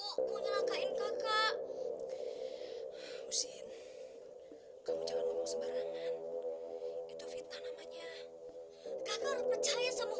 hai mau nyelakain kakak usin kamu jangan ngomong sebarangan itu fitnah namanya kaget percaya sama